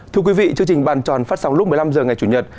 thưa quý vị chương trình bàn tròn phát sóng lúc một mươi năm h ngày chủ nhật